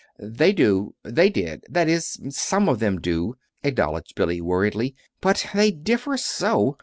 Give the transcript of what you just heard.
_" "They do they did that is, some of them do," acknowledged Billy, worriedly; "but they differ, so!